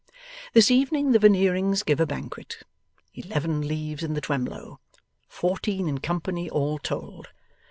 This evening the Veneerings give a banquet. Eleven leaves in the Twemlow; fourteen in company all told.